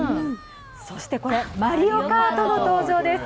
そしてこれ、マリオカートの登場です。